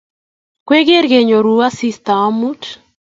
Kwegeer kenyoru asista amut?